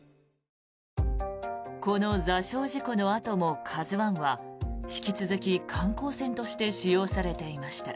この座礁事故のあとも「ＫＡＺＵ１」は引き続き観光船として使用されていました。